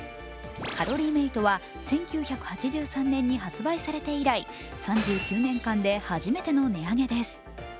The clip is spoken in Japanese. カロリーメイトは１９８３年に発売されて以来３９年間で初めての値上げです。